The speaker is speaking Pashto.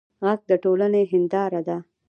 غږ د ټولنې هنداره ده